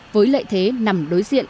với lệ thế nằm đối diện